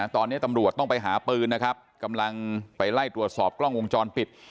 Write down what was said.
ตอนนี้ตำรวจต้องไปหาปืนนะครับกำลังไปไล่ตรวจสอบกล้องวงจรปิด